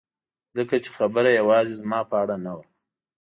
ځکه چې خبره یوازې زما په اړه نه وه